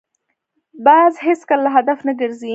باز هېڅکله له هدفه نه ګرځي